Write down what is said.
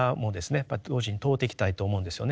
やっぱり同時に問うていきたいと思うんですよね。